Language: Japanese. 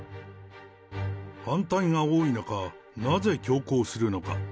反対が多い中、なぜ強行するのか。